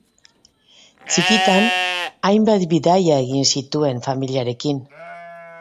Txikitan hainbat bidaia egin zituen familiarekin.